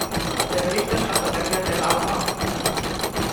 Der Berichterstatter war Herr Dell'Alba.